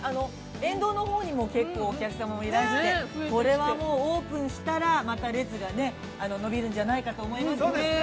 沿道のほうにも、お客様がいらして、これはもう、オープンしたら、また列が伸びるんじゃないかと思いますね。